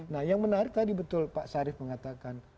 nah yang menarik tadi betul pak sarif mengatakan